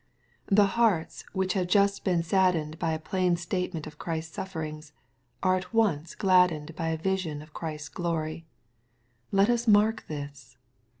The hearts which have just been saddened by a plain statement of Christ's sufferings^ are at once gladdened by a vision of Christ's glory. Let us mark this.